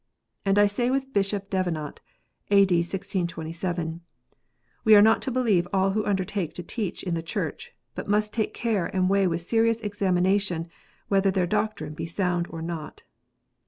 And I say with Bishop Davenant (A.D. 1627), "We are not to believe all who undertake to teach in the Church, but must take care and weigh with serious examination, whether their doctrine be sound or not."